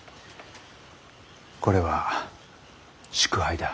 これは祝杯だ。